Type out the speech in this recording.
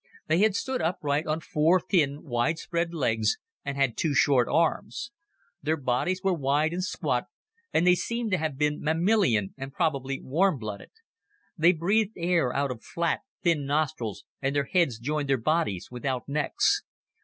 They had stood upright on four thin, wide spread legs and had two short arms. Their bodies were wide and squat, and they seemed to have been mammalian and probably warm blooded. They breathed air out of flat, thin nostrils and their heads joined their bodies without necks.